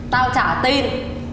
tao chả tin